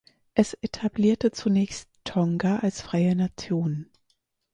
Es etablierte zunächst Tonga als freie Nation.